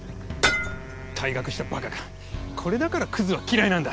退学したバカかこれだからクズは嫌いなんだ！